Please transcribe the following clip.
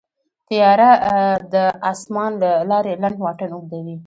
طیاره د اسمان له لارې لنډ واټن اوږدوي.